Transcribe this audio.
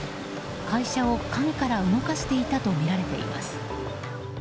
会社を陰から動かしていたとみられています。